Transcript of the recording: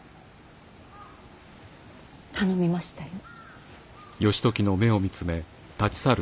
頼みましたよ。